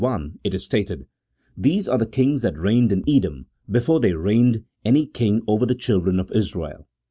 31 it is stated, " These are the kings that reigned in Edom before there reigned any king over the children of Israel."